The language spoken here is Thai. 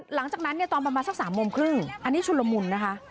หลังจากนั้นตอนประมาณสัก๓๓๐นี่อันนี้ชุลมุนนะคะ